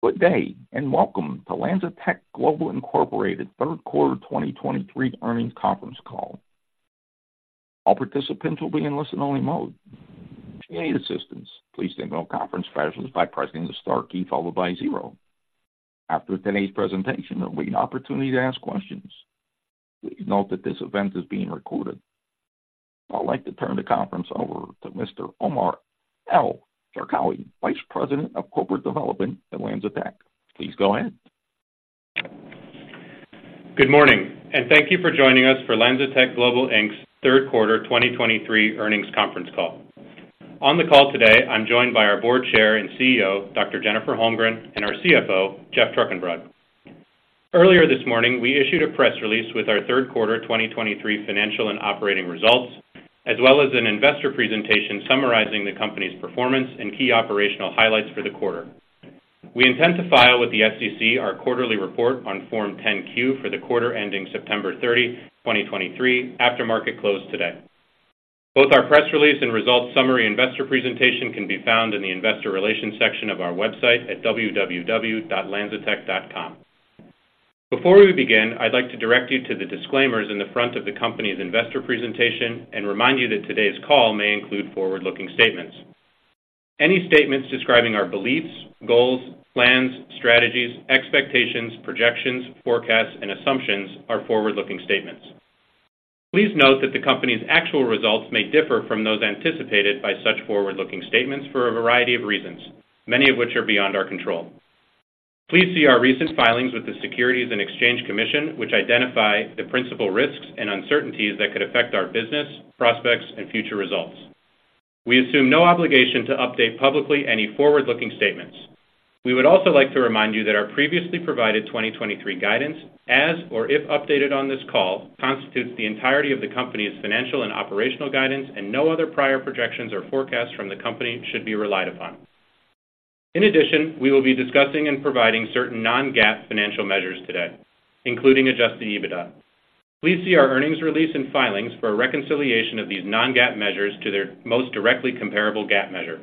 Good day, and welcome to LanzaTech Global Incorporated third quarter 2023 earnings conference call. All participants will be in listen-only mode. If you need assistance, please signal conference specialists by pressing the star key followed by zero. After today's presentation, there will be an opportunity to ask questions. Please note that this event is being recorded. I'd like to turn the conference over to Mr. Omar El-Sharkawy, Vice President of Corporate Development at LanzaTech. Please go ahead. Good morning, and thank you for joining us for LanzaTech Global Inc.'s third quarter 2023 earnings conference call. On the call today, I'm joined by our Board Chair and CEO, Dr. Jennifer Holmgren, and our CFO, Geoff Trukenbrod. Earlier this morning, we issued a press release with our third quarter 2023 financial and operating results, as well as an investor presentation summarizing the company's performance and key operational highlights for the quarter. We intend to file with the SEC our quarterly report on Form 10-Q for the quarter ending September 30, 2023, after market close today. Both our press release and results summary investor presentation can be found in the Investor Relations section of our website at www.lanzatech.com. Before we begin, I'd like to direct you to the disclaimers in the front of the company's investor presentation and remind you that today's call may include forward-looking statements. Any statements describing our beliefs, goals, plans, strategies, expectations, projections, forecasts, and assumptions are forward-looking statements. Please note that the company's actual results may differ from those anticipated by such forward-looking statements for a variety of reasons, many of which are beyond our control. Please see our recent filings with the Securities and Exchange Commission, which identify the principal risks and uncertainties that could affect our business, prospects, and future results. We assume no obligation to update publicly any forward-looking statements. We would also like to remind you that our previously provided 2023 guidance, as or if updated on this call, constitutes the entirety of the company's financial and operational guidance, and no other prior projections or forecasts from the company should be relied upon. In addition, we will be discussing and providing certain non-GAAP financial measures today, including Adjusted EBITDA. Please see our earnings release and filings for a reconciliation of these non-GAAP measures to their most directly comparable GAAP measure.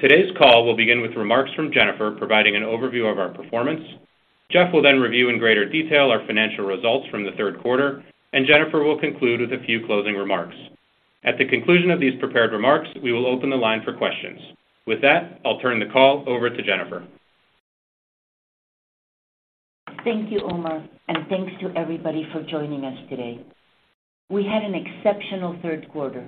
Today's call will begin with remarks from Jennifer, providing an overview of our performance. Geoff will then review in greater detail our financial results from the third quarter, and Jennifer will conclude with a few closing remarks. At the conclusion of these prepared remarks, we will open the line for questions. With that, I'll turn the call over to Jennifer. Thank you, Omar, and thanks to everybody for joining us today. We had an exceptional third quarter.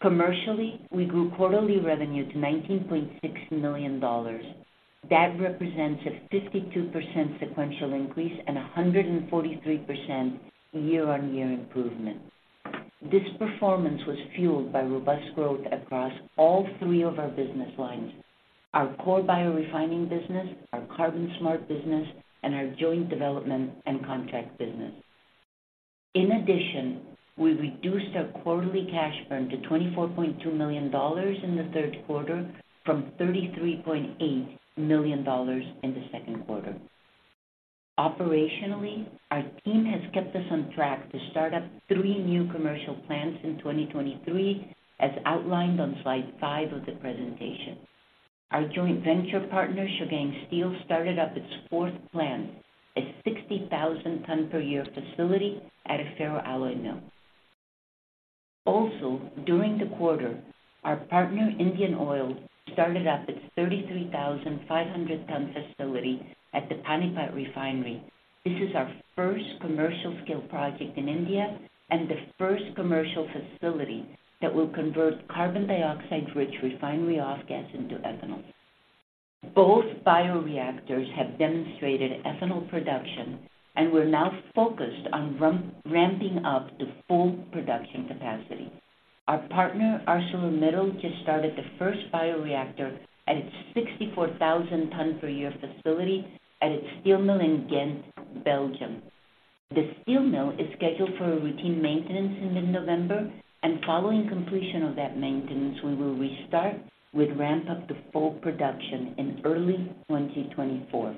Commercially, we grew quarterly revenue to $19.6 million. That represents a 52% sequential increase and a 143% year-on-year improvement. This performance was fueled by robust growth across all three of our business lines: our core biorefining business, our Carbon Smart business, and our joint development and contract business. In addition, we reduced our quarterly cash burn to $24.2 million in the third quarter from $33.8 million in the second quarter. Operationally, our team has kept us on track to start up three new commercial plants in 2023, as outlined on slide 5 of the presentation. Our joint venture partner, Shagang Steel, started up its fourth plant, a 60,000 ton per year facility at a ferroalloy mill. Also, during the quarter, our partner, Indian Oil, started up its 33,500-ton facility at the Panipat refinery. This is our first commercial scale project in India and the first commercial facility that will convert carbon dioxide-rich refinery offgas into ethanol. Both bioreactors have demonstrated ethanol production, and we're now focused on ramping up to full production capacity. Our partner, ArcelorMittal, just started the first bioreactor at its 64,000-ton-per-year facility at its steel mill in Ghent, Belgium. The steel mill is scheduled for a routine maintenance in mid-November, and following completion of that maintenance, we will restart with ramp-up to full production in early 2024.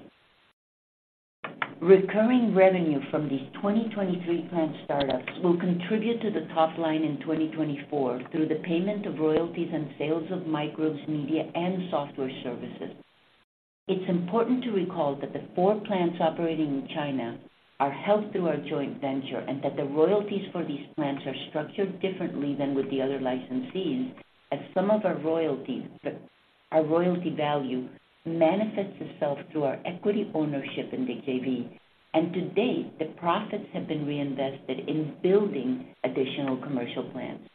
Recurring revenue from these 2023 plant startups will contribute to the top line in 2024 through the payment of royalties and sales of microbes, media, and software services. It's important to recall that the 4 plants operating in China are held through our joint venture, and that the royalties for these plants are structured differently than with the other licensees, as some of our royalty, our royalty value manifests itself through our equity ownership in the JV. And to date, the profits have been reinvested in building additional commercial plants.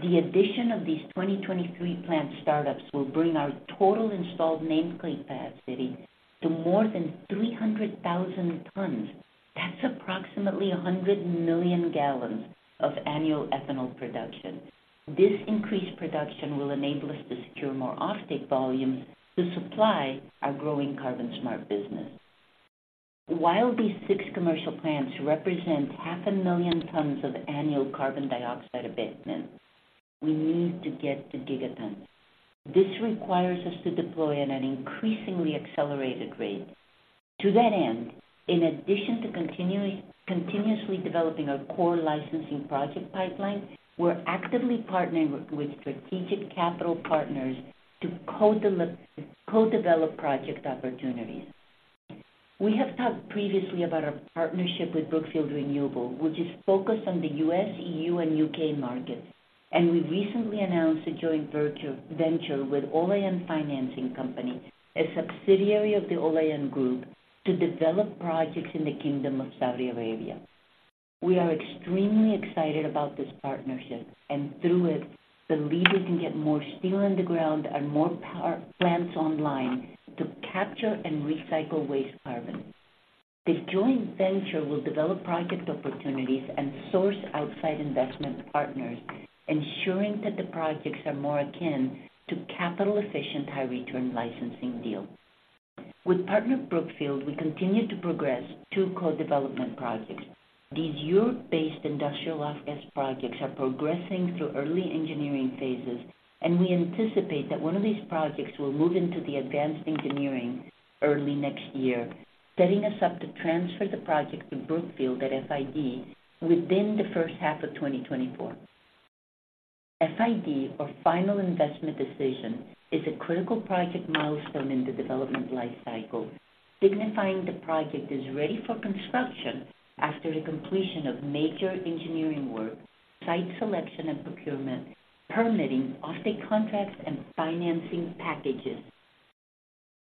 The addition of these 2023 plant startups will bring our total installed nameplate capacity to more than 300,000 tons. That's approximately 100 million gallons of annual ethanol production. This increased production will enable us to secure more offtake volumes to supply our growing Carbon Smart business. While these six commercial plants represent 500,000 tons of annual carbon dioxide abatement, we need to get to gigatons. This requires us to deploy at an increasingly accelerated rate.... To that end, in addition to continuously developing our core licensing project pipeline, we're actively partnering with strategic capital partners to co-develop project opportunities. We have talked previously about our partnership with Brookfield Renewable, which is focused on the U.S., E.U., and U.K. markets, and we recently announced a joint venture with Olayan Financing Company, a subsidiary of the Olayan Group, to develop projects in the Kingdom of Saudi Arabia. We are extremely excited about this partnership, and through it, the leader can get more steel in the ground and more power plants online to capture and recycle waste carbon. The joint venture will develop project opportunities and source outside investment partners, ensuring that the projects are more akin to capital-efficient, high-return licensing deals. With partner Brookfield, we continue to progress two co-development projects. These Europe-based industrial off-gas projects are progressing through early engineering phases, and we anticipate that one of these projects will move into the advanced engineering early next year, setting us up to transfer the project to Brookfield at FID within the first half of 2024. FID, or Final Investment Decision, is a critical project milestone in the development life cycle, signifying the project is ready for construction after the completion of major engineering work, site selection and procurement, permitting, offtake contracts, and financing packages.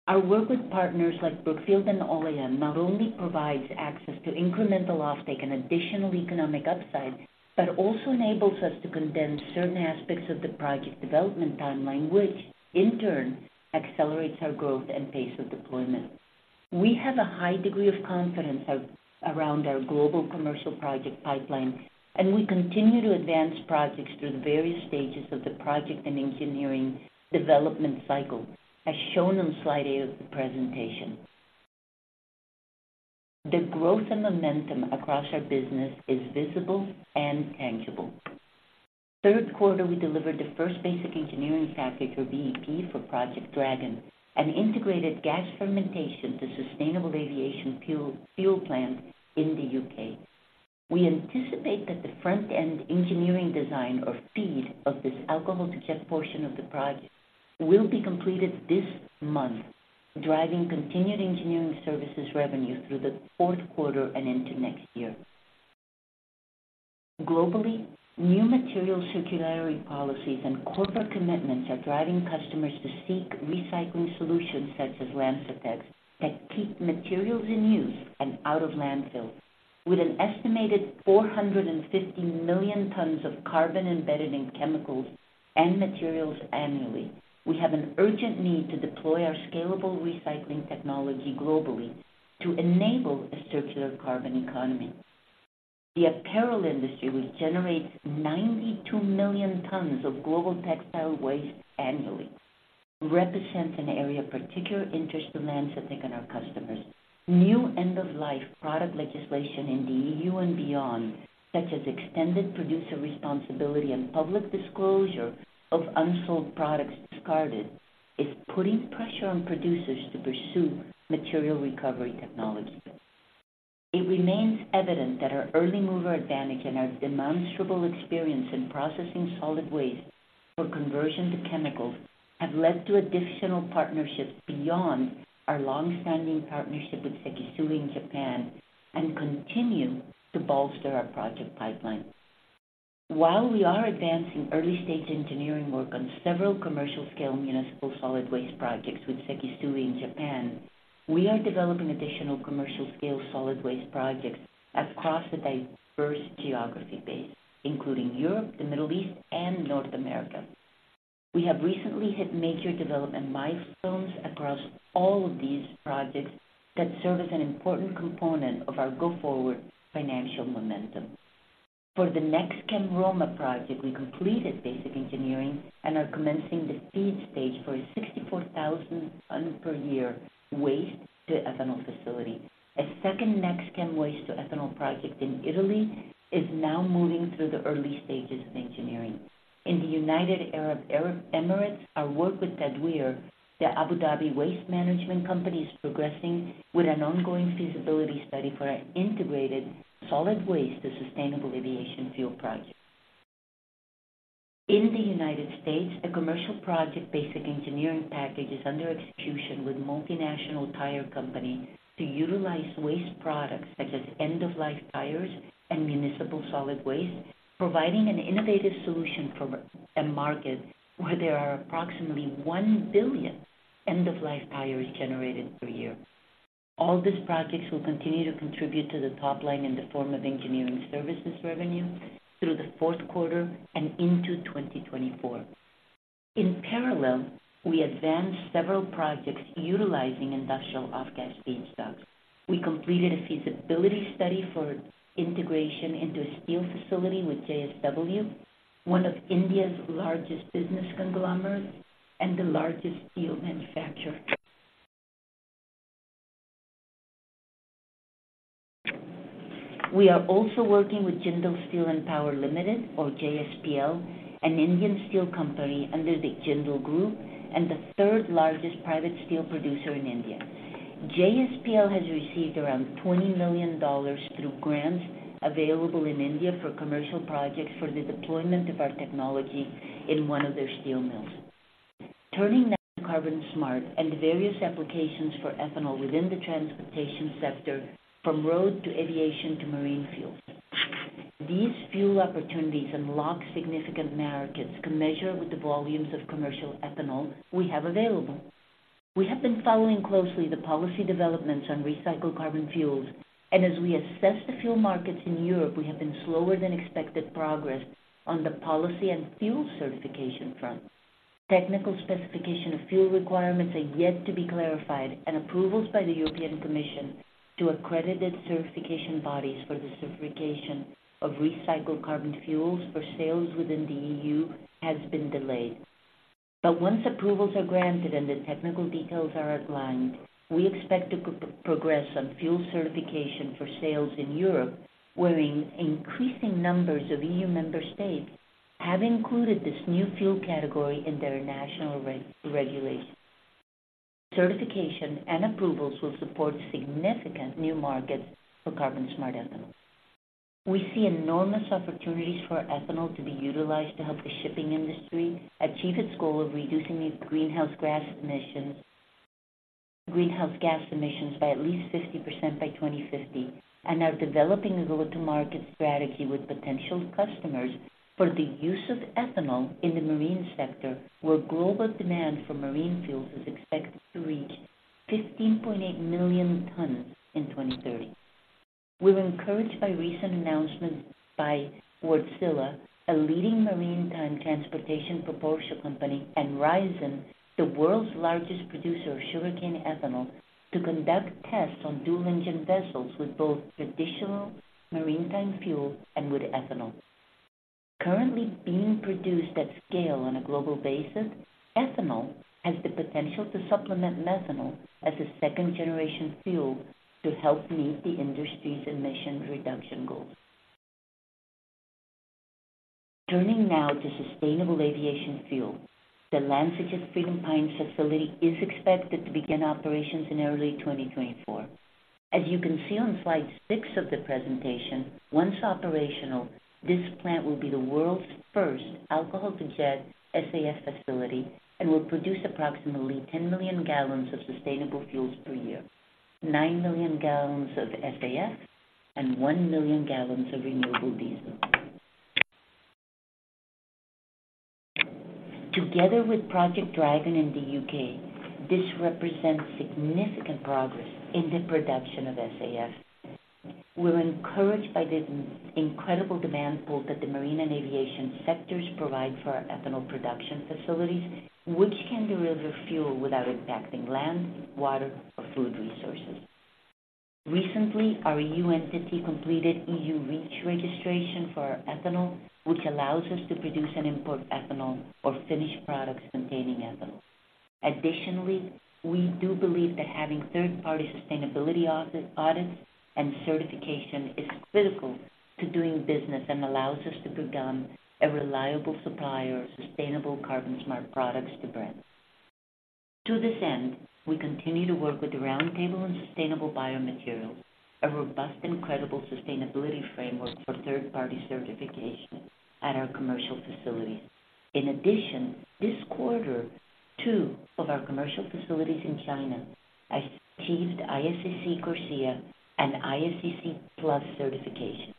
Our work with partners like Brookfield and Olayan not only provides access to incremental offtake and additional economic upside, but also enables us to condense certain aspects of the project development timeline, which in turn accelerates our growth and pace of deployment. We have a high degree of confidence around our global commercial project pipeline, and we continue to advance projects through the various stages of the project and engineering development cycle, as shown on Slide 8 of the presentation. The growth and momentum across our business is visible and tangible. Third quarter, we delivered the first Basic Engineering Package, or BEP, for Project Dragon, an integrated gas fermentation to sustainable aviation fuel, fuel plant in the U.K. We anticipate that the Front-End Engineering Design, or FEED, of this alcohol-to-jet portion of the project will be completed this month, driving continued engineering services revenue through the fourth quarter and into next year. Globally, new material circularity policies and corporate commitments are driving customers to seek recycling solutions such as LanzaTech's that keep materials in use and out of landfills. With an estimated 450 million tons of carbon embedded in chemicals and materials annually, we have an urgent need to deploy our scalable recycling technology globally to enable a circular carbon economy. The apparel industry, which generates 92 million tons of global textile waste annually, represents an area of particular interest to LanzaTech and our customers. New end-of-life product legislation in the EU and beyond, such as extended producer responsibility and public disclosure of unsold products discarded, is putting pressure on producers to pursue material recovery technology. It remains evident that our early mover advantage and our demonstrable experience in processing solid waste for conversion to chemicals have led to additional partnerships beyond our long-standing partnership with Sekisui in Japan, and continue to bolster our project pipeline. While we are advancing early-stage engineering work on several commercial-scale municipal solid waste projects with Sekisui in Japan, we are developing additional commercial-scale solid waste projects across a diverse geography base, including Europe, the Middle East, and North America. We have recently hit major development milestones across all of these projects that serve as an important component of our go-forward financial momentum. For the NextChem Roma project, we completed basic engineering and are commencing the FEED stage for a 64,000 ton per year waste-to-ethanol facility. A second NextChem waste-to-ethanol project in Italy is now moving through the early stages of engineering. In the United Arab Emirates, our work with Tadweer, the Abu Dhabi waste management company, is progressing with an ongoing feasibility study for an integrated solid waste to sustainable aviation fuel project. In the United States, a commercial project basic engineering package is under execution with multinational tire company to utilize waste products such as end-of-life tires and municipal solid waste, providing an innovative solution for a market where there are approximately 1 billion end-of-life tires generated per year. All these projects will continue to contribute to the top line in the form of engineering services revenue through the fourth quarter and into 2024. In parallel, we advanced several projects utilizing industrial off-gas feedstock. We completed a feasibility study for integration into a steel facility with JSW, one of India's largest business conglomerates and the largest steel manufacturer. We are also working with Jindal Steel and Power Limited, or JSPL, an Indian steel company under the Jindal Group and the third largest private steel producer in India. JSPL has received around $20 million through grants available in India for commercial projects for the deployment of our technology in one of their steel mills. Turning now to Carbon Smart and various applications for ethanol within the transportation sector, from road to aviation to marine fuels. These fuel opportunities unlock significant markets commensurate with the volumes of commercial ethanol we have available. We have been following closely the policy developments on recycled carbon fuels, and as we assess the fuel markets in Europe, we have been slower than expected progress on the policy and fuel certification front. Technical specification of fuel requirements are yet to be clarified, and approvals by the European Commission to accredited certification bodies for the certification of recycled carbon fuels for sales within the EU has been delayed. But once approvals are granted and the technical details are outlined, we expect to progress on fuel certification for sales in Europe, wherein increasing numbers of EU member states have included this new fuel category in their national regulation. Certification and approvals will support significant new markets for Carbon Smart Ethanol. We see enormous opportunities for ethanol to be utilized to help the shipping industry achieve its goal of reducing these greenhouse gas emissions, greenhouse gas emissions by at least 50% by 2050, and are developing a go-to-market strategy with potential customers for the use of ethanol in the marine sector, where global demand for marine fuels is expected to reach 15.8 million tons in 2030. We're encouraged by recent announcements by Wärtsilä, a leading maritime transportation propulsion company, and Raízen, the world's largest producer of sugarcane ethanol, to conduct tests on dual-engine vessels with both traditional maritime fuel and with ethanol. Currently being produced at scale on a global basis, ethanol has the potential to supplement methanol as a second-generation fuel to help meet the industry's emission reduction goals. Turning now to sustainable aviation fuel, the LanzaTech Freedom Pines facility is expected to begin operations in early 2024. As you can see on slide 6 of the presentation, once operational, this plant will be the world's first alcohol-to-jet SAF facility and will produce approximately 10 million gallons of sustainable fuels per year, 9 million gallons of SAF, and 1 million gallons of renewable diesel. Together with Project Dragon in the UK, this represents significant progress in the production of SAF. We're encouraged by the incredible demand pool that the marine and aviation sectors provide for our ethanol production facilities, which can deliver fuel without impacting land, water, or food resources. Recently, our EU entity completed EU REACH registration for our ethanol, which allows us to produce and import ethanol or finished products containing ethanol. Additionally, we do believe that having third-party sustainability audits and certification is critical to doing business and allows us to become a reliable supplier of sustainable Carbon Smart products to brands. To this end, we continue to work with the Roundtable on Sustainable Biomaterials, a robust and credible sustainability framework for third-party certification at our commercial facilities. In addition, this quarter, two of our commercial facilities in China achieved ISCC Plus CORSIA and ISCC Plus certification.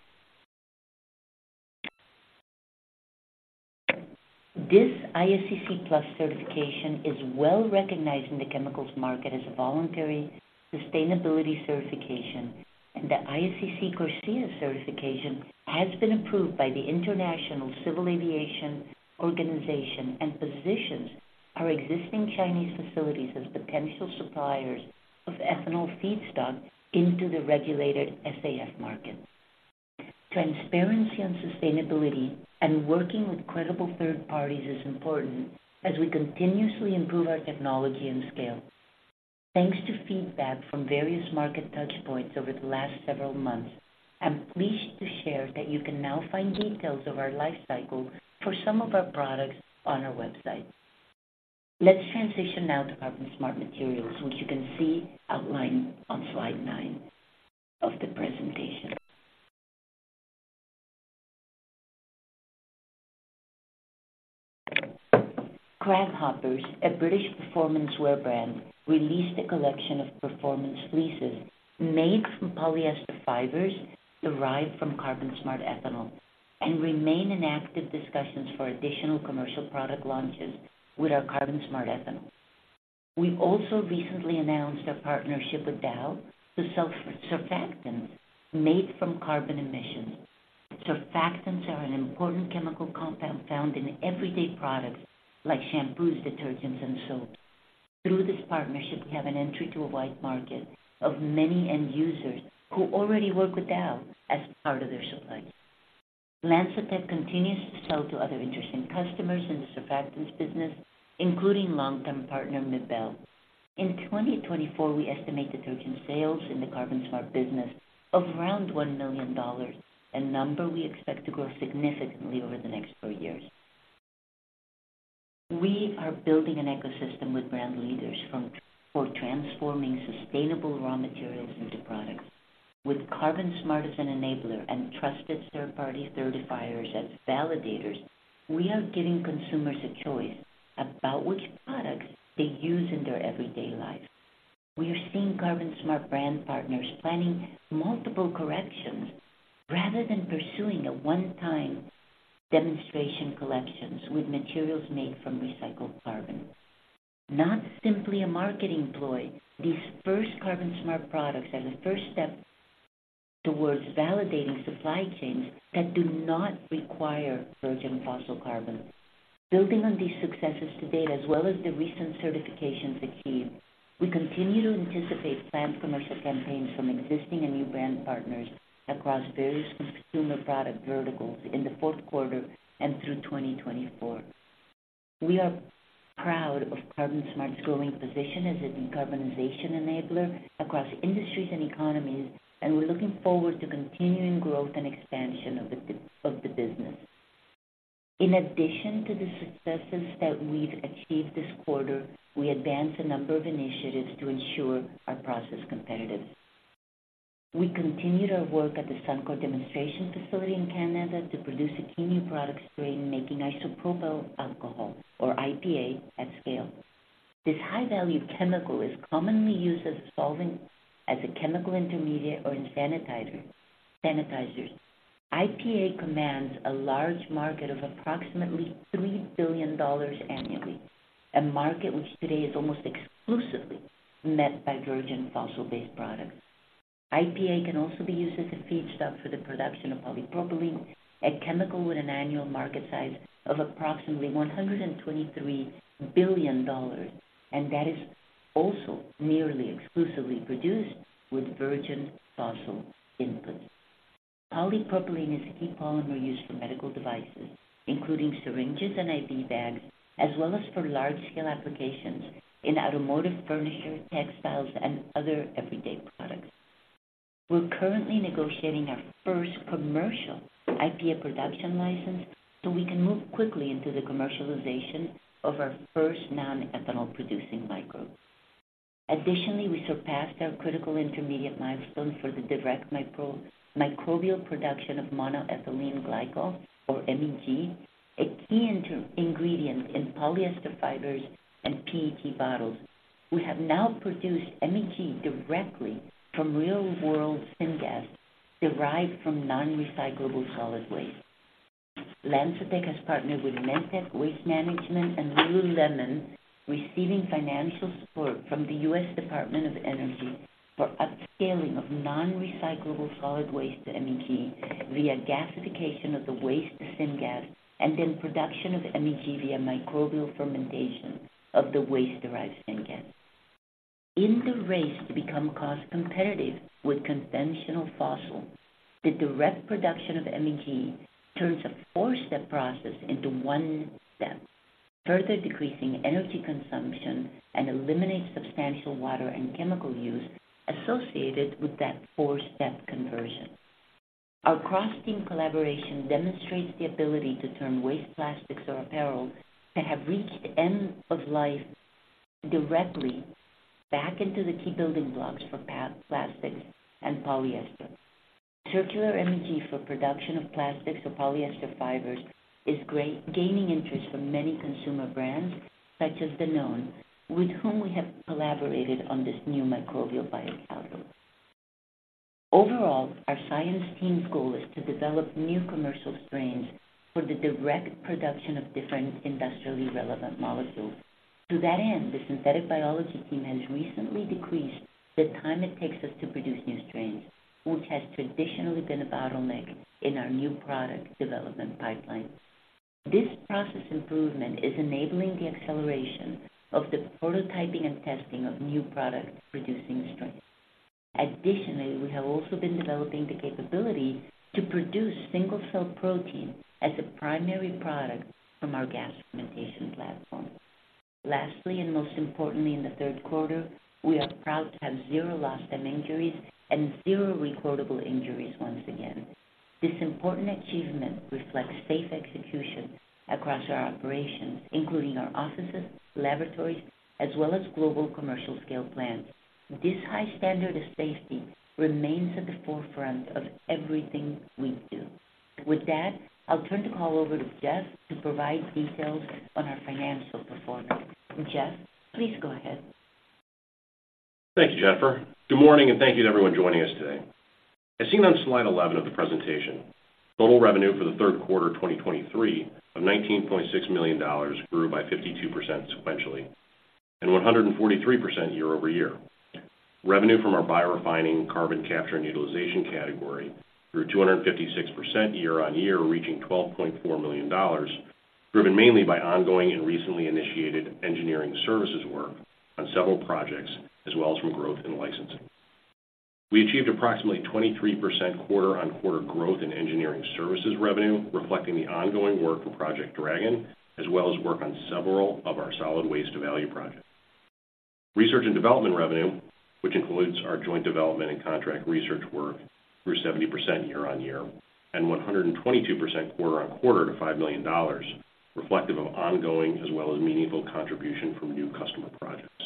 This ISCC Plus certification is well recognized in the chemicals market as a voluntary sustainability certification, and the ISCC CORSIA certification has been approved by the International Civil Aviation Organization and positions our existing Chinese facilities as potential suppliers of ethanol feedstock into the regulated SAF markets. Transparency on sustainability and working with credible third parties is important as we continuously improve our technology and scale. Thanks to feedback from various market touch points over the last several months, I'm pleased to share that you can now find details of our life cycle for some of our products on our website. Let's transition now to Carbon Smart Materials, which you can see outlined on slide nine of the presentation. Craghoppers, a British performance wear brand, released a collection of performance fleeces made from polyester fibers derived from Carbon Smart Ethanol, and remain in active discussions for additional commercial product launches with our Carbon Smart Ethanol. We've also recently announced a partnership with Dow to sell surfactants made from carbon emissions. Surfactants are an important chemical compound found in everyday products like shampoos, detergents, and soaps. Through this partnership, we have an entry to a wide market of many end users who already work with Dow as part of their supply. LanzaTech continues to sell to other interesting customers in the surfactants business, including long-term partner, Mibelle. In 2024, we estimate the token sales in the Carbon Smart business of around $1 million, a number we expect to grow significantly over the next four years. We are building an ecosystem with brand leaders for transforming sustainable raw materials into products. With Carbon Smart as an enabler and trusted third-party certifiers and validators, we are giving consumers a choice about which products they use in their everyday life. We are seeing Carbon Smart brand partners planning multiple collections rather than pursuing a one-time demonstration collections with materials made from recycled carbon. Not simply a marketing ploy, these first Carbon Smart products are the first step towards validating supply chains that do not require virgin fossil carbon. Building on these successes to date, as well as the recent certifications achieved, we continue to anticipate planned commercial campaigns from existing and new brand partners across various consumer product verticals in the fourth quarter and through 2024. We are proud of Carbon Smart's growing position as a decarbonization enabler across industries and economies, and we're looking forward to continuing growth and expansion of the business. In addition to the successes that we've achieved this quarter, we advanced a number of initiatives to ensure our process competitive. We continued our work at the Suncor demonstration facility in Canada to produce a key new product strain, making isopropyl alcohol, or IPA, at scale. This high-value chemical is commonly used as a solvent, as a chemical intermediate, or in sanitizers. IPA commands a large market of approximately $3 billion annually, a market which today is almost exclusively met by virgin fossil-based products. IPA can also be used as a feedstock for the production of polypropylene, a chemical with an annual market size of approximately $123 billion, and that is also nearly exclusively produced with virgin fossil inputs. Polypropylene is a key polymer used for medical devices, including syringes and IV bags, as well as for large-scale applications in automotive, furniture, textiles, and other everyday products. We're currently negotiating our first commercial IPA production license, so we can move quickly into the commercialization of our first non-ethanol-producing microbes. Additionally, we surpassed our critical intermediate milestone for the direct microbial production of monoethylene glycol, or MEG, a key ingredient in polyester fibers and PET bottles. We have now produced MEG directly from real-world syngas, derived from non-recyclable solid waste. LanzaTech has partnered with Waste Management and lululemon, receiving financial support from the U.S. Department of Energy for upscaling of non-recyclable solid waste to MEG via gasification of the waste to syngas, and then production of MEG via microbial fermentation of the waste-derived syngas. In the race to become cost competitive with conventional fossil, the direct production of MEG turns a four-step process into one step, further decreasing energy consumption and eliminates substantial water and chemical use associated with that four-step conversion. Our cross-team collaboration demonstrates the ability to turn waste plastics or apparel that have reached end of life directly back into the key building blocks for plastics and polyester. Circular MEG for production of plastics or polyester fibers is great, gaining interest from many consumer brands, such as Danone, with whom we have collaborated on this new microbial biotech output. Overall, our science team's goal is to develop new commercial strains for the direct production of different industrially relevant molecules. To that end, the synthetic biology team has recently decreased the time it takes us to produce new strains, which has traditionally been a bottleneck in our new product development pipeline. This process improvement is enabling the acceleration of the prototyping and testing of new product-producing strains. Additionally, we have also been developing the capability to produce single-cell protein as a primary product from our gas fermentation platform. Lastly, and most importantly, in the third quarter, we are proud to have zero lost-time injuries and zero recordable injuries once again. This important achievement reflects safe execution across our operations, including our offices, laboratories, as well as global commercial scale plants. This high standard of safety remains at the forefront of everything we do. With that, I'll turn the call over to Geoff to provide details on our financial performance. Geoff, please go ahead. Thank you, Jennifer. Good morning, and thank you to everyone joining us today. As seen on slide 11 of the presentation, total revenue for the third quarter 2023 of $19.6 million grew by 52% sequentially and 143% year-over-year. Revenue from our biorefining, carbon capture and utilization category grew 256% year-over-year, reaching $12.4 million, driven mainly by ongoing and recently initiated engineering services work on several projects, as well as from growth in licensing.... We achieved approximately 23% quarter-over-quarter growth in engineering services revenue, reflecting the ongoing work for Project Dragon, as well as work on several of our solid waste to value projects. Research and development revenue, which includes our joint development and contract research work, grew 70% year-over-year and 122% quarter-over-quarter to $5 million, reflective of ongoing as well as meaningful contribution from new customer projects.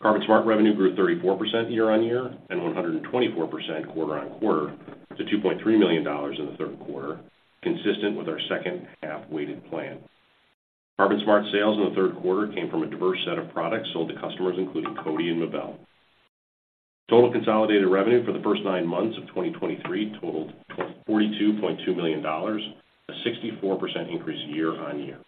Carbon Smart revenue grew 34% year-over-year and 124% quarter-over-quarter to $2.3 million in the third quarter, consistent with our second-half weighted plan. Carbon Smart sales in the third quarter came from a diverse set of products sold to customers, including Coty and Mibelle. Total consolidated revenue for the first nine months of 2023 totaled $42.2 million, a 64% increase year-over-year.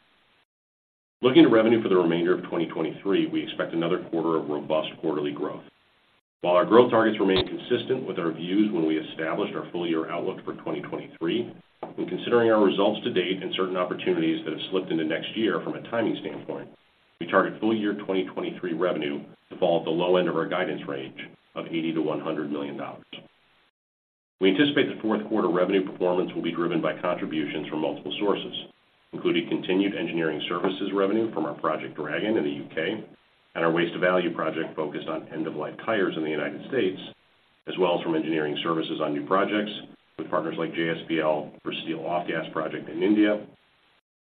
Looking to revenue for the remainder of 2023, we expect another quarter of robust quarterly growth. While our growth targets remain consistent with our views when we established our full-year 2023 outlook, when considering our results to date and certain opportunities that have slipped into next year from a timing standpoint, we target full-year 2023 revenue to fall at the low end of our guidance range of $80 million-$100 million. We anticipate the fourth quarter revenue performance will be driven by contributions from multiple sources, including continued engineering services revenue from our Project Dragon in the U.K. and our Waste to Value project focused on end-of-life tires in the United States, as well as from engineering services on new projects with partners like JSPL for steel off-gas project in India.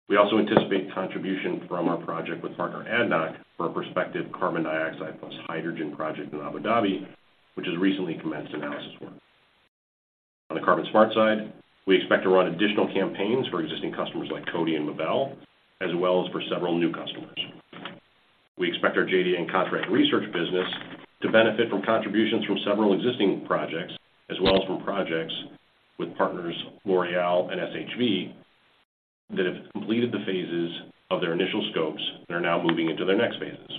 We also anticipate contribution from our project with partner ADNOC for a prospective carbon dioxide plus hydrogen project in Abu Dhabi, which has recently commenced analysis work. On the Carbon Smart side, we expect to run additional campaigns for existing customers like Coty and Mibelle, as well as for several new customers. We expect our JDA and contract research business to benefit from contributions from several existing projects, as well as from projects with partners L'Oréal and SHV, that have completed the phases of their initial scopes and are now moving into their next phases.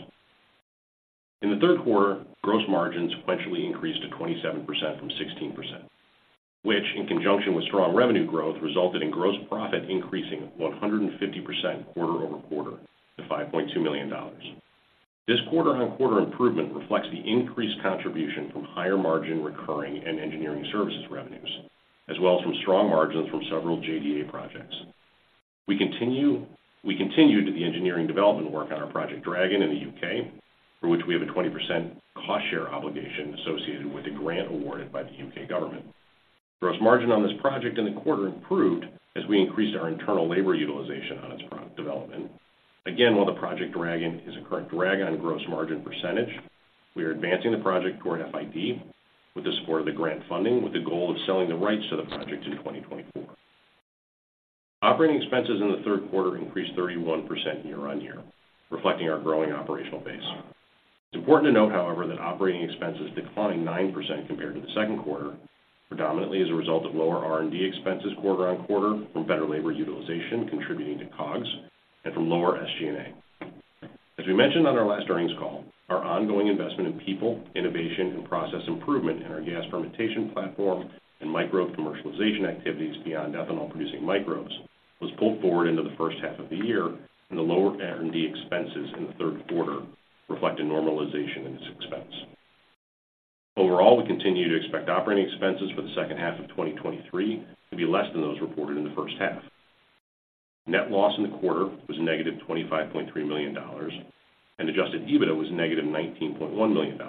In the third quarter, gross margin sequentially increased to 27% from 16%, which in conjunction with strong revenue growth, resulted in gross profit increasing 150% quarter-over-quarter to $5.2 million. This quarter-on-quarter improvement reflects the increased contribution from higher margin recurring and engineering services revenues, as well as from strong margins from several JDA projects. We continue, we continue to the engineering development work on our Project Dragon in the U.K., for which we have a 20% cost share obligation associated with a grant awarded by the U.K. government. Gross margin on this project in the quarter improved as we increased our internal labor utilization on its product development. Again, while the Project Dragon is a current drag on gross margin percentage, we are advancing the project toward FID with the support of the grant funding, with the goal of selling the rights to the project in 2024. Operating expenses in the third quarter increased 31% year-over-year, reflecting our growing operational base. It's important to note, however, that operating expenses declined 9% compared to the second quarter, predominantly as a result of lower R&D expenses quarter-over-quarter from better labor utilization, contributing to COGS and from lower SG&A. As we mentioned on our last earnings call, our ongoing investment in people, innovation and process improvement in our Gas Fermentation platform and microbe commercialization activities beyond ethanol-producing microbes, was pulled forward into the first half of the year, and the lower R&D expenses in the third quarter reflect a normalization in this expense. Overall, we continue to expect operating expenses for the second half of 2023 to be less than those reported in the first half. Net loss in the quarter was -$25.3 million and Adjusted EBITDA was -$19.1 million.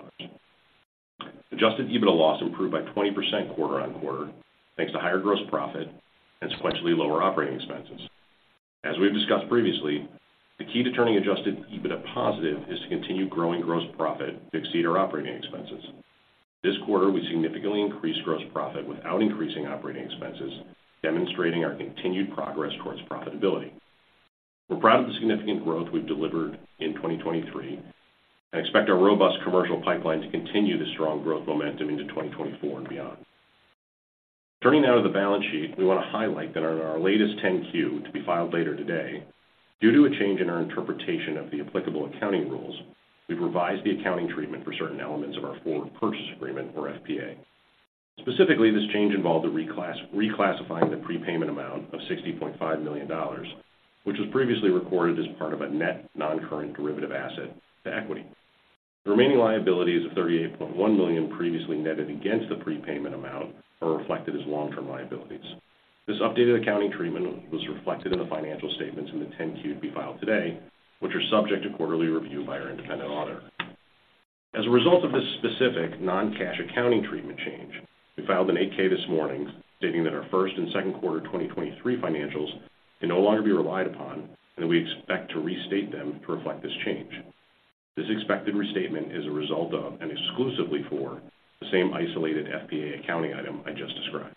Adjusted EBITDA loss improved by 20% quarter-on-quarter, thanks to higher gross profit and sequentially lower operating expenses. As we've discussed previously, the key to turning Adjusted EBITDA positive is to continue growing gross profit to exceed our operating expenses. This quarter, we significantly increased gross profit without increasing operating expenses, demonstrating our continued progress towards profitability. We're proud of the significant growth we've delivered in 2023 and expect our robust commercial pipeline to continue the strong growth momentum into 2024 and beyond. Turning now to the balance sheet, we want to highlight that on our latest 10-Q to be filed later today, due to a change in our interpretation of the applicable accounting rules, we've revised the accounting treatment for certain elements of our forward purchase agreement, or FPA. Specifically, this change involved reclassifying the prepayment amount of $60.5 million, which was previously recorded as part of a net non-current derivative asset to equity. The remaining liabilities of $38.1 million previously netted against the prepayment amount are reflected as long-term liabilities. This updated accounting treatment was reflected in the financial statements in the 10-Q to be filed today, which are subject to quarterly review by our independent auditor. As a result of this specific non-cash accounting treatment change, we filed an 8-K this morning stating that our first and second quarter 2023 financials can no longer be relied upon and that we expect to restate them to reflect this change. This expected restatement is a result of, and exclusively for the same isolated FPA accounting item I just described.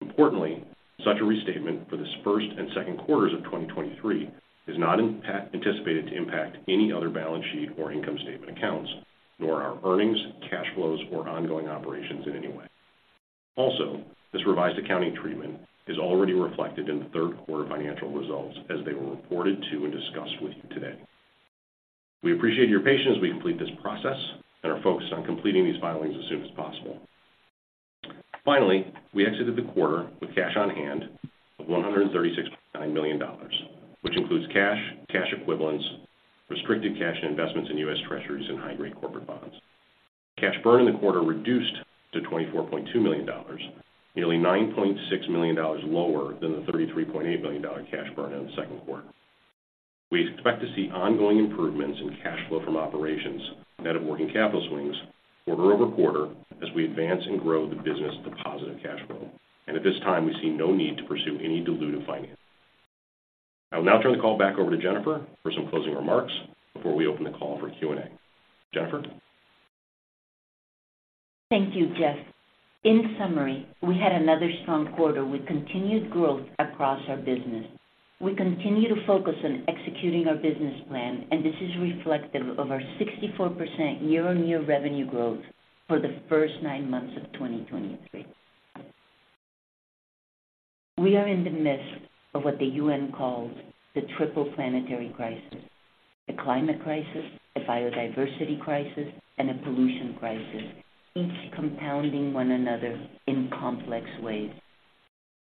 Importantly, such a restatement for this first and second quarters of 2023 is not anticipated to impact any other balance sheet or income statement accounts, nor our earnings, cash flows, or ongoing operations in any way. Also, this revised accounting treatment is already reflected in the third quarter financial results as they were reported to and discussed with you today. We appreciate your patience as we complete this process and are focused on completing these filings as soon as possible. Finally, we exited the quarter with cash on hand of $136.9 million, which includes cash, cash equivalents, restricted cash investments in US Treasuries and high-grade corporate bonds. Cash burn in the quarter reduced to $24.2 million, nearly $9.6 million lower than the $33.8 million cash burn in the second quarter. We expect to see ongoing improvements in cash flow from operations, net of working capital swings, quarter-over-quarter as we advance and grow the business to positive cash flow. At this time, we see no need to pursue any dilutive financing. I will now turn the call back over to Jennifer for some closing remarks before we open the call for Q&A. Jennifer? Thank you, Geoff. In summary, we had another strong quarter with continued growth across our business. We continue to focus on executing our business plan, and this is reflective of our 64% year-over-year revenue growth for the first nine months of 2023. We are in the midst of what the UN calls the triple planetary crisis: a climate crisis, a biodiversity crisis, and a pollution crisis, each compounding one another in complex ways.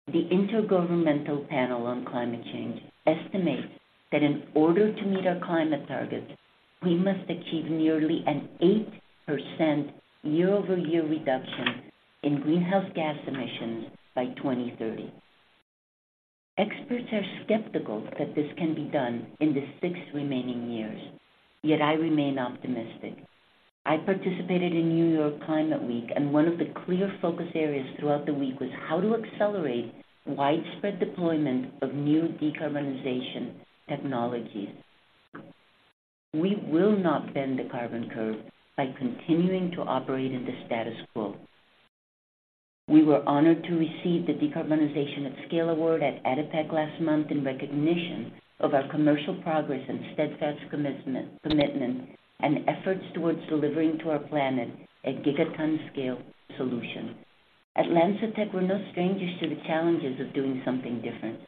The Intergovernmental Panel on Climate Change estimates that in order to meet our climate targets, we must achieve nearly an 8% year-over-year reduction in greenhouse gas emissions by 2030. Experts are skeptical that this can be done in the six remaining years, yet I remain optimistic. I participated in New York Climate Week, and one of the clear focus areas throughout the week was how to accelerate widespread deployment of new decarbonization technologies. We will not bend the carbon curve by continuing to operate in the status quo. We were honored to receive the Decarbonization at Scale award at ADIPEC last month in recognition of our commercial progress and steadfast commitment and efforts towards delivering to our planet a gigaton-scale solution. At LanzaTech, we're no strangers to the challenges of doing something different.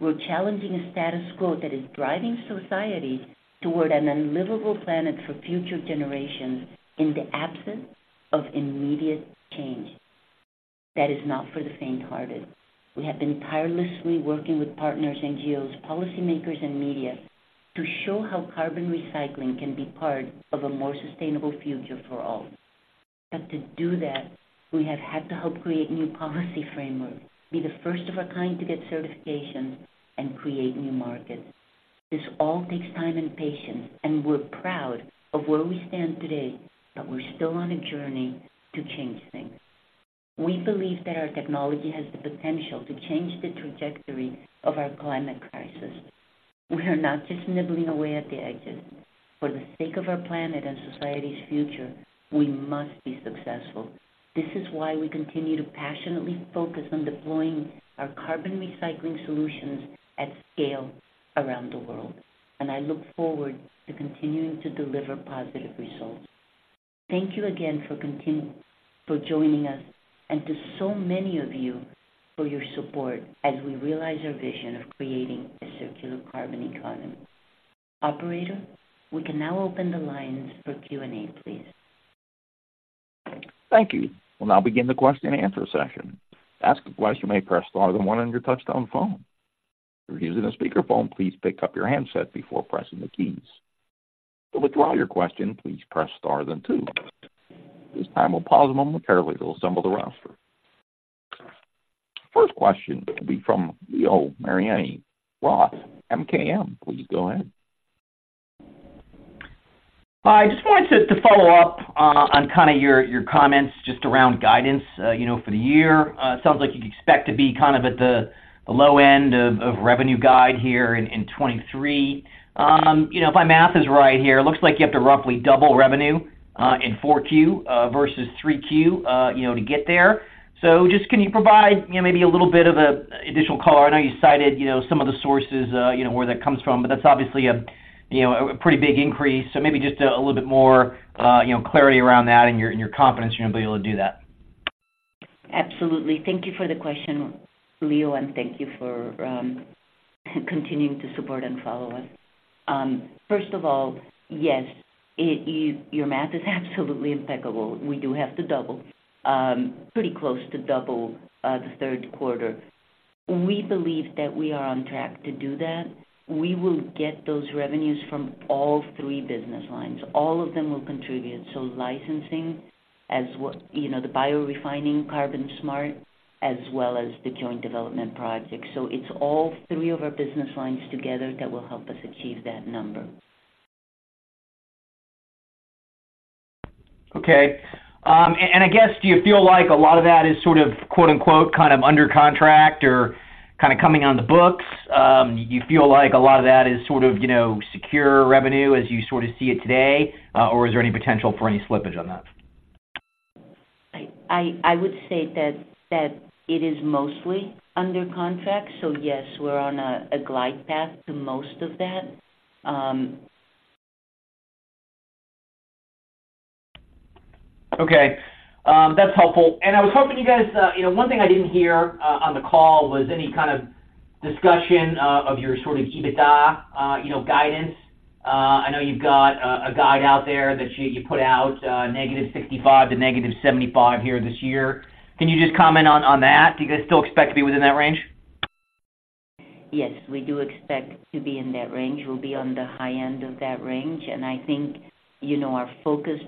We're challenging a status quo that is driving society toward an unlivable planet for future generations in the absence of immediate change. That is not for the faint-hearted. We have been tirelessly working with partners, NGOs, policymakers, and media to show how carbon recycling can be part of a more sustainable future for all. But to do that, we have had to help create new policy frameworks, be the first of our kind to get certifications, and create new markets. This all takes time and patience, and we're proud of where we stand today, but we're still on a journey to change things. We believe that our technology has the potential to change the trajectory of our climate crisis. We are not just nibbling away at the edges. For the sake of our planet and society's future, we must be successful. This is why we continue to passionately focus on deploying our carbon recycling solutions at scale around the world, and I look forward to continuing to deliver positive results. Thank you again for joining us, and to so many of you for your support as we realize our vision of creating a circular carbon economy. Operator, we can now open the lines for Q&A, please. Thank you. We'll now begin the question and answer session. To ask a question, you may press star then one on your touchtone phone. If you're using a speakerphone, please pick up your handset before pressing the keys. To withdraw your question, please press star then two. At this time, we'll pause momentarily to assemble the roster. First question will be from Leo Mariani, Roth MKM. Please go ahead. Hi, just wanted to follow up on kind of your comments just around guidance, you know, for the year. It sounds like you'd expect to be kind of at the low end of revenue guide here in 2023. You know, if my math is right here, it looks like you have to roughly double revenue in Q4 versus Q3, you know, to get there. So just can you provide, you know, maybe a little bit of a additional color? I know you cited, you know, some of the sources, you know, where that comes from, but that's obviously a, you know, a pretty big increase. So maybe just a little bit more, you know, clarity around that and your confidence you're going to be able to do that. Absolutely. Thank you for the question, Leo, and thank you for continuing to support and follow us. First of all, yes, your math is absolutely impeccable. We do have to double, pretty close to double, the third quarter. We believe that we are on track to do that. We will get those revenues from all three business lines. All of them will contribute. So licensing, as what, you know, the biorefining, Carbon Smart, as well as the joint development project. So it's all three of our business lines together that will help us achieve that number. Okay. And I guess, do you feel like a lot of that is sort of quote, unquote, kind of under contract or kind of coming on the books? Do you feel like a lot of that is sort of, you know, secure revenue as you sort of see it today? Or is there any potential for any slippage on that? I would say that it is mostly under contract. So yes, we're on a glide path to most of that. Okay, that's helpful. And I was hoping you guys... You know, one thing I didn't hear on the call was any kind of discussion of your sort of EBITDA, you know, guidance. I know you've got a guide out there that you put out, -$65 million-$75 million here this year. Can you just comment on that? Do you guys still expect to be within that range? Yes, we do expect to be in that range. We'll be on the high end of that range, and I think, you know, our focus,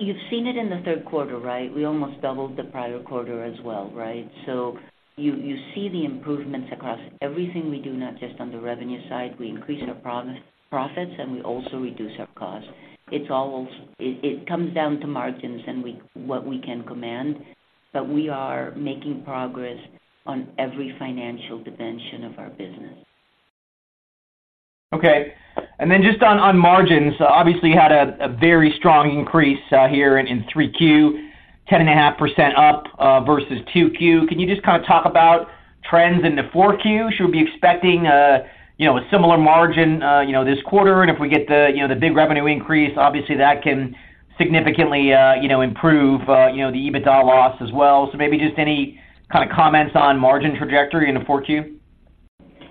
you've seen it in the third quarter, right? We almost doubled the prior quarter as well, right? So you see the improvements across everything we do, not just on the revenue side. We increase our profits, and we also reduce our costs. It's all, it comes down to margins and what we can command, but we are making progress on every financial dimension of our business. Okay. And then just on margins, obviously, you had a very strong increase here in 3Q, 10.5% up versus 2Q. Can you just kind of talk about trends into 4Q? Should we be expecting, you know, a similar margin, you know, this quarter? And if we get the, you know, the big revenue increase, obviously, that can significantly, you know, improve, you know, the EBITDA loss as well. So maybe just any kind of comments on margin trajectory into 4Q.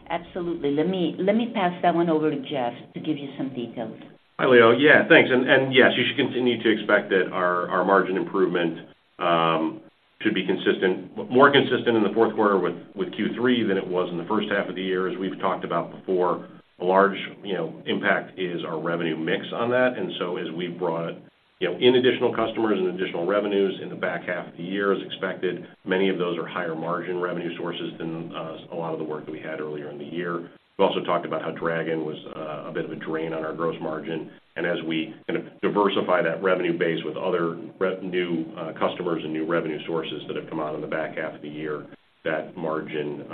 Absolutely. Let me pass that one over to Geoff to give you some details. Hi, Leo. Yeah, thanks. And yes, you should continue to expect that our margin improvement to be consistent. More consistent in the fourth quarter with Q3 than it was in the first half of the year. As we've talked about before, a large, you know, impact is our revenue mix on that. And so as we've brought, you know, in additional customers and additional revenues in the back half of the year, as expected, many of those are higher margin revenue sources than a lot of the work that we had earlier in the year. We also talked about how Dragon was a bit of a drain on our gross margin, and as we kind of diversify that revenue base with other new customers and new revenue sources that have come out in the back half of the year, that margin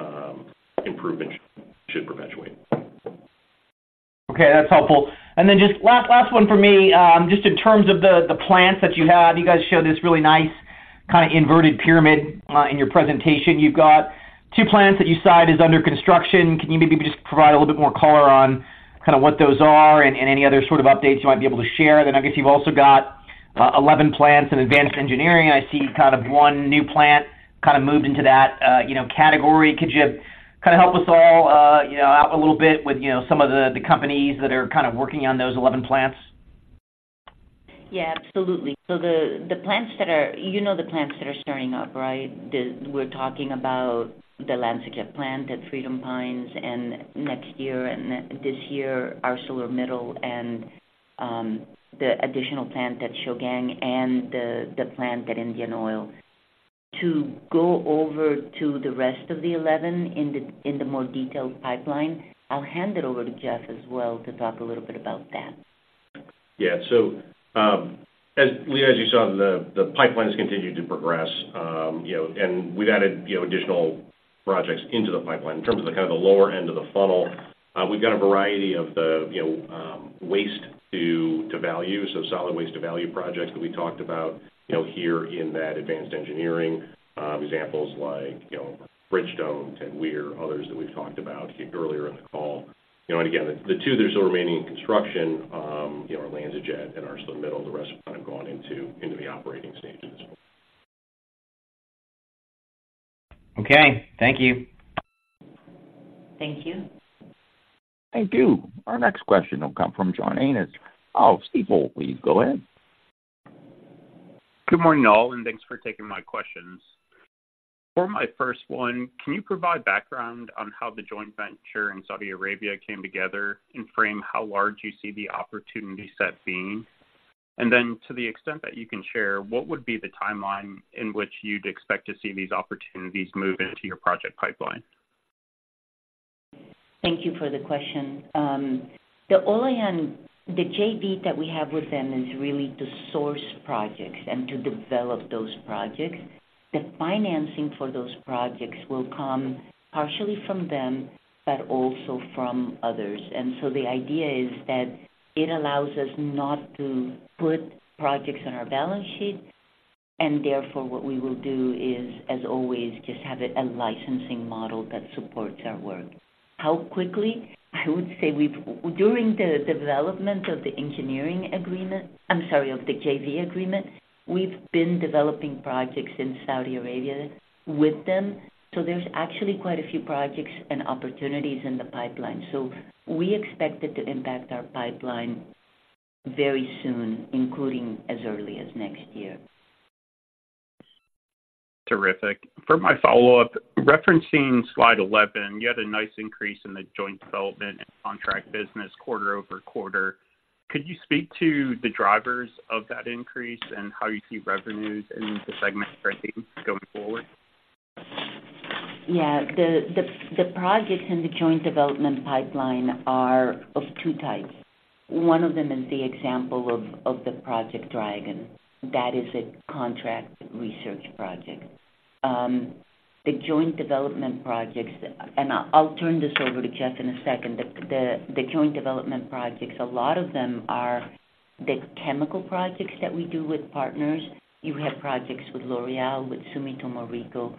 improvement should perpetuate. Okay, that's helpful. Then just last one for me. Just in terms of the plants that you have, you guys showed this really nice kind of inverted pyramid in your presentation. You've got 2 plants that you cited as under construction. Can you maybe just provide a little bit more color on kind of what those are and any other sort of updates you might be able to share? Then I guess you've also got 11 plants in advanced engineering. I see kind of 1 new plant, kind of, moved into that you know category. Could you kind of help us all you know out a little bit with you know some of the companies that are kind of working on those 11 plants? Yeah, absolutely. So the plants that are... You know the plants that are starting up, right? We're talking about the LanzaJet plant at Freedom Pines, and next year, and then this year, ArcelorMittal and the additional plant at and the plant at Indian Oil. To go over to the rest of the 11 in the more detailed pipeline, I'll hand it over to Geoff as well to talk a little bit about that. Yeah. So, as Leo, as you saw, the pipeline has continued to progress. You know, and we've added, you know, additional projects into the pipeline. In terms of the, kind of, the lower end of the funnel, we've got a variety of the, you know, waste-to-value, so solid waste-to-value projects that we talked about, you know, here in that advanced engineering. Examples like, you know, Bridgestone, Tadweer, others that we've talked about earlier in the call. You know, and again, the two that are still remaining in construction, you know, are LanzaJet and ArcelorMittal. The rest have kind of gone into the operating stages. Okay, thank you. Thank you. Thank you. Our next question will come from Stephen of Stifel. Please go ahead. Good morning, all, and thanks for taking my questions. For my first one, can you provide background on how the joint venture in Saudi Arabia came together and frame how large you see the opportunity set being? And then to the extent that you can share, what would be the timeline in which you'd expect to see these opportunities move into your project pipeline? Thank you for the question. The Olayan, the JV that we have with them is really to source projects and to develop those projects. The financing for those projects will come partially from them, but also from others. And so the idea is that it allows us not to put projects on our balance sheet, and therefore, what we will do is, as always, just have a licensing model that supports our work. How quickly? I would say, during the development of the engineering agreement, I'm sorry, of the JV agreement, we've been developing projects in Saudi Arabia with them, so there's actually quite a few projects and opportunities in the pipeline. So we expect it to impact our pipeline very soon, including as early as next year. Terrific. For my follow-up, referencing slide 11, you had a nice increase in the joint development and contract business quarter-over-quarter. Could you speak to the drivers of that increase and how you see revenues in the segment spreading going forward? Yeah. The projects in the joint development pipeline are of two types. One of them is the example of the project Dragon. That is a contract research project. The joint development projects, and I'll turn this over to Geoff in a second. The joint development projects, a lot of them are the chemical projects that we do with partners. You have projects with L'Oréal, with Sumitomo Riko,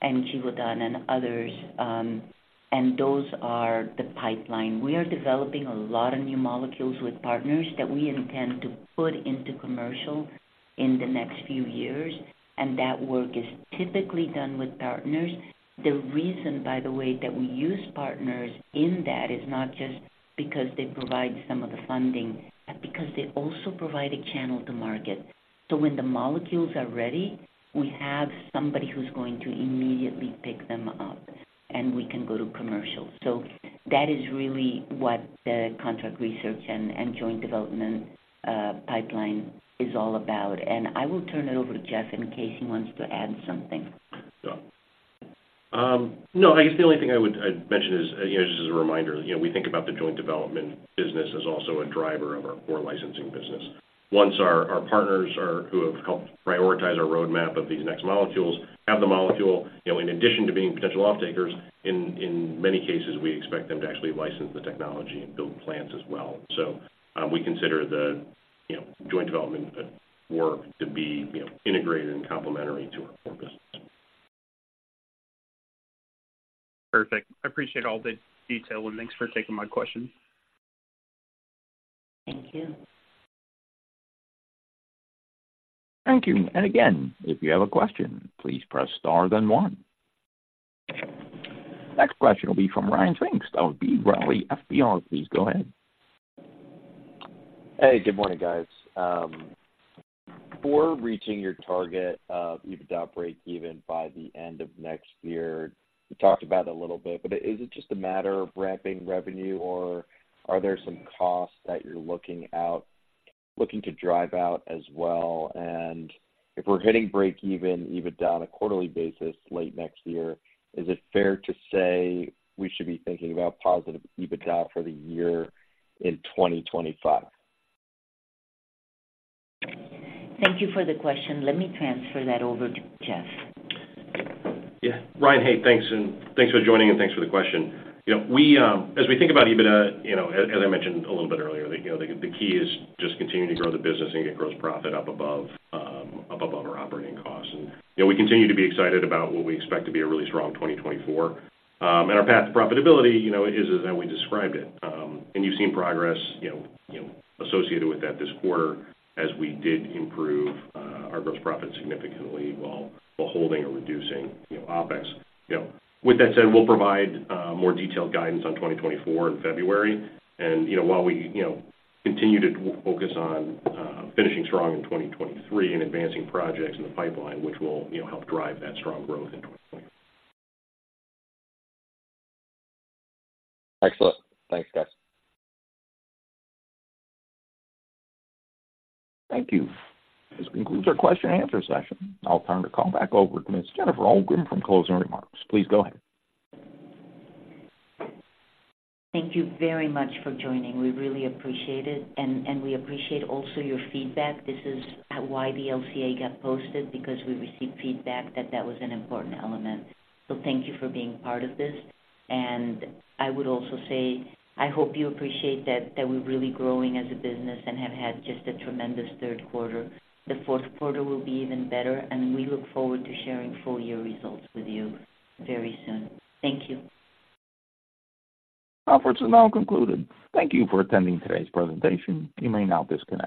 and Givaudan and others, and those are the pipeline. We are developing a lot of new molecules with partners that we intend to put into commercial in the next few years, and that work is typically done with partners. The reason, by the way, that we use partners in that is not just because they provide some of the funding, but because they also provide a channel to market. So when the molecules are ready, we have somebody who's going to immediately pick them up, and we can go to commercial. So that is really what the contract research and joint development pipeline is all about. And I will turn it over to Geoff in case he wants to add something. Yeah. No, I guess the only thing I would, I'd mention is, you know, just as a reminder, you know, we think about the joint development business as also a driver of our core licensing business. Once our partners are, who have helped prioritize our roadmap of these next molecules, have the molecule, you know, in addition to being potential off-takers, in many cases, we expect them to actually license the technology and build plants as well. So, we consider the, you know, joint development work to be, you know, integrated and complementary to our core business. Perfect. I appreciate all the detail, and thanks for taking my question. Thank you. Thank you. And again, if you have a question, please press star then one. Next question will be from Ryan Pfingst of B. Riley FBR. Please go ahead. Hey, good morning, guys. For reaching your target of EBITDA breakeven by the end of next year, you talked about it a little bit, but is it just a matter of ramping revenue or are there some costs that you're looking to drive out as well? And if we're hitting breakeven EBITDA on a quarterly basis late next year, is it fair to say we should be thinking about positive EBITDA for the year in 2025? Thank you for the question. Let me transfer that over to Jeff. Yeah. Ryan, hey, thanks, and thanks for joining, and thanks for the question. You know, we as we think about EBITDA, you know, as I mentioned a little bit earlier, that you know, the key is just continuing to grow the business and get gross profit up above up above our operating costs. And you know, we continue to be excited about what we expect to be a really strong 2024. And our path to profitability, you know, is as that we described it. And you've seen progress, you know, you know, associated with that this quarter, as we did improve our gross profit significantly while holding or reducing, you know, OpEx. You know, with that said, we'll provide more detailed guidance on 2024 in February. You know, while we, you know, continue to focus on finishing strong in 2023 and advancing projects in the pipeline, which will, you know, help drive that strong growth into 2024. Excellent. Thanks, guys. Thank you. This concludes our question and answer session. I'll turn the call back over to Ms. Jennifer Holmgren for closing remarks. Please go ahead. Thank you very much for joining. We really appreciate it, and we appreciate also your feedback. This is why the LCA got posted, because we received feedback that that was an important element. So thank you for being part of this, and I would also say, I hope you appreciate that, that we're really growing as a business and have had just a tremendous third quarter. The fourth quarter will be even better, and we look forward to sharing full year results with you very soon. Thank you. Our call is now concluded. Thank you for attending today's presentation. You may now disconnect.